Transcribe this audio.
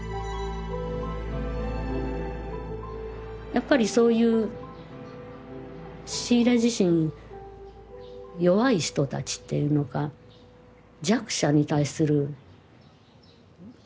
やっぱりそういうシーレ自身弱い人たちっていうのか弱者に対する共感っていうのかな。